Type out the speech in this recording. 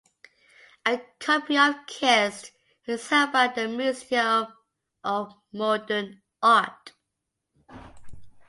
A copy of "Kissed" is held by the Museum Of Modern Art.